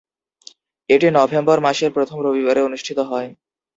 এটি নভেম্বর মাসের প্রথম রবিবারে অনুষ্ঠিত হয়।